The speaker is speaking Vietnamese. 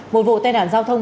một vụ tai đạn giao thông